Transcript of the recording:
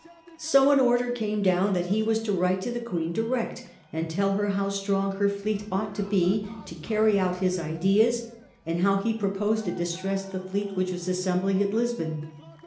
So an order came down that he was to write to the Queen direct and tell her how strong her fleet ought to be to carry out his ideas, and how he proposed to distress the fleet which was assembling at Lisbon.